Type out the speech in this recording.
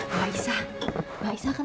kasih jawet aja cuy